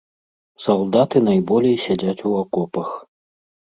Салдаты найболей сядзяць у акопах.